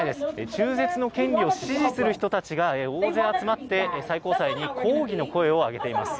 中絶の権利を支持する人たちが大勢集まって、最高裁に抗議の声をあげています。